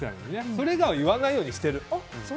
それ以外は言わないようにしてる。